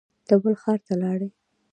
ته بل ښار ته لاړې